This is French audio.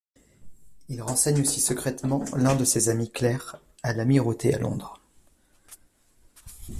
Il renseigne aussi, secrètement, l'un de ses amis, clerc à l'Amirauté à Londres.